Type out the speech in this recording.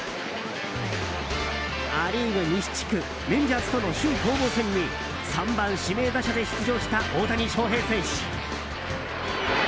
ア・リーグ西地区レンジャーズとの首位攻防戦に３番指名打者で出場した大谷翔平選手。